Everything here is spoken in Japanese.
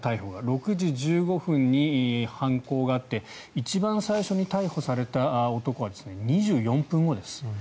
６時１５分に犯行があって一番最初に逮捕された男は２４分後です。